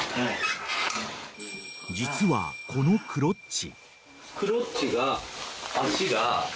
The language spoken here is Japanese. ［実はこのクロッチ］